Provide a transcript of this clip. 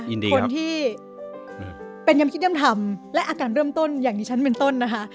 คนที่เป็นยังคิดย่ำทำและอาการเริ่มต้นอย่างที่ฉันเป็นต้นนะคะ